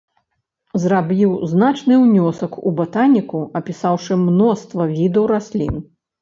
Зрабіў значны ўнёсак у батаніку, апісаўшы мноства відаў раслін.